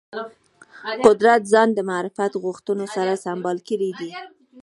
قدرت ځان د معرفت غوښتنو سره سمبال کړی دی